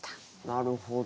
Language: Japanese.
なるほど。